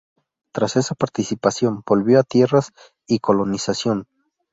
Tras esa participación volvió a Tierras y Colonización.